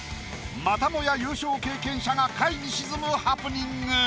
またもや優勝経験者が下位に沈むハプニング。